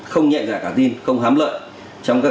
không nhẹ nhàng cả tin không hám lợi